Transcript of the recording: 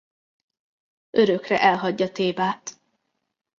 Örökre elhagyja Thébát.